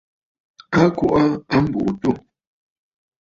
A kɔʼɔ aa a mbùʼû àtû.